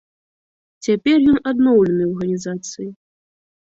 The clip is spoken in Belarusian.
Цяпер ён адноўлены ў арганізацыі.